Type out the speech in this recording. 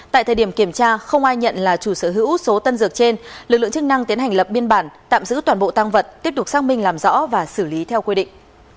tại thời điểm kiểm tra không ai nhận là chủ sở hữu số tân dược trên lực lượng chức năng tiến hành lập biên bản tạm giữ toàn bộ tăng vật tiếp tục xác minh làm rõ và xử lý theo quy định